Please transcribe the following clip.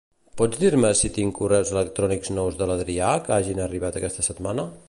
Pots dir-me si tinc correus electrònics nous de l'Adrià que hagin arribat aquesta setmana?